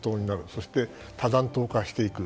そして多弾頭化していく。